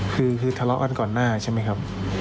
คือทะเลาะกันก่อนหน้าใช่ไหมครับ